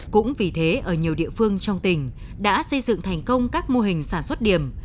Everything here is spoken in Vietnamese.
cũng vì thế ở nhiều địa phương trong tỉnh đã xây dựng thành công các mô hình sản xuất điểm